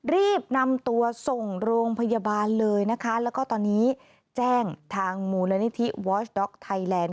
แล้วก็ตอนนี้แจ้งทางมูลนิธิวอชด็อกไทยแลนด์